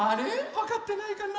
わかってないかな？